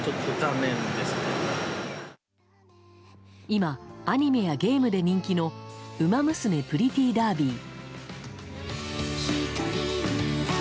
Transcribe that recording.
今、アニメやゲームで人気の「ウマ娘プリティーダービー」。